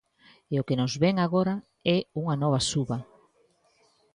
E o que nos vén agora é unha nova suba.